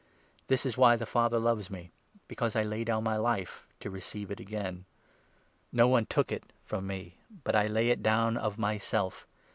This is why the Father loves me, because I lay down my life — to receive it again. Np one took it from me, but I lay it down of myself.